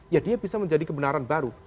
ya dia bisa menjadi kebenaran baru